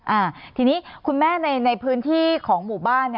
อ่าทีนี้คุณแม่ในพื้นที่ของหมู่บ้าน